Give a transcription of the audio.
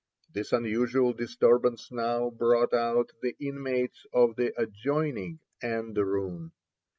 This unusual disturbance now brought out the inmates of the adjoining anderoon.